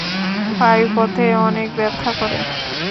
পায়ু পথে অনেক ব্যথা করে।